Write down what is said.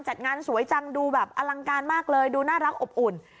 จัดงานสวยจังดูแบบอลังการมากเลยดูน่ารักอบอุ่น